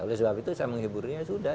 oleh sebab itu saya menghiburnya sudah